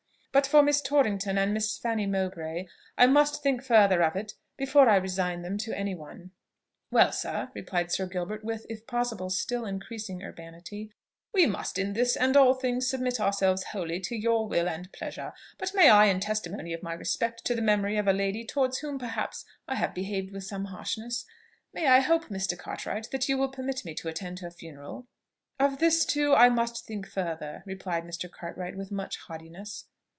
But for Miss Torrington and Miss Fanny Mowbray, I must think further of it before I resign them to any one." "Well, sir," replied Sir Gilbert with, if possible, still increasing urbanity, "we must in this and all things submit ourselves wholly to your will and pleasure. But may I, in testimony of my respect to the memory of a lady towards whom perhaps I have behaved with some harshness, may I hope, Mr. Cartwright, that you will permit me to attend her funeral?" "Of this too I must think further," replied Mr. Cartwright with much haughtiness.